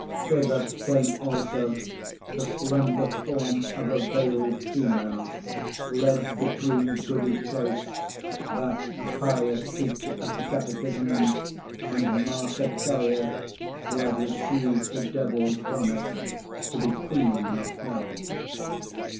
Thither came also the slender form of a veiled female, led between Goody Cloyse, that pious teacher of the catechism, and Martha Carrier, who had received the devil's promise to be queen of hell.